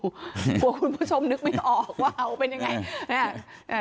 กลัวคุณผู้ชมนึกไม่ออกว่าเอาเป็นยังไง